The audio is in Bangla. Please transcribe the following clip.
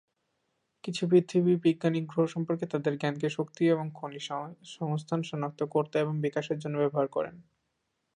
কিছু পৃথিবী বিজ্ঞানীরা গ্রহ সম্পর্কে তাদের জ্ঞানকে শক্তি এবং খনিজ সংস্থান শনাক্ত করতে এবং বিকাশের জন্য ব্যবহার করেন।